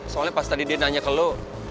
soalnya pas tadi dia nanya ke lo